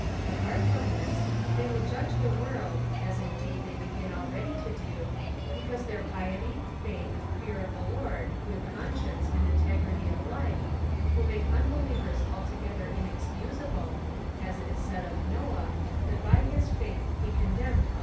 Aj^art from this, they will judge the world, as indeed they begin already to do, because their piety, faith, fear of the Lord, good conscience, and integrity of life, Avill make unbelievers altogether inexcusable, as it is said of Noah, that by his faith he condemned all the men of his age.